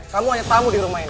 kamu hanya tahu di rumah ini